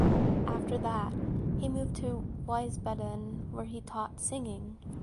After that he moved to Wiesbaden where he taught singing.